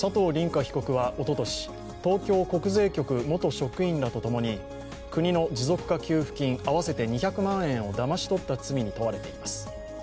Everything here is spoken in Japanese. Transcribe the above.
凛果被告はおととし、東京国税局元職員らとともに国の持続化給付金合わせて２００万円をだまし取った罪に問われています。